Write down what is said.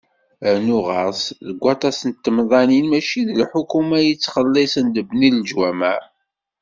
Rnu ɣer-s, deg waṭas n temnaḍin, mačči d lḥukuma i yettxellisen lebni n leǧwamaɛ.